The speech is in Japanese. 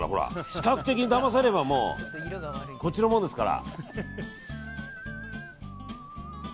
視覚的にだまされればもうこっちのもんですから。